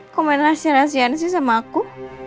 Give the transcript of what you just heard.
komen rahasia rahasianya sama aku